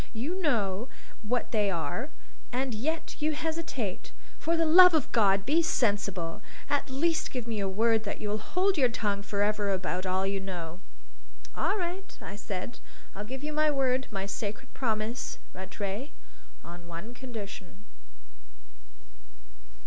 You know what they are, and yet you hesitate! For the love of God be sensible; at least give me your word that you'll hold your tongue for ever about all you know." "All right," I said. "I'll give you my word my sacred promise, Rattray on one condition."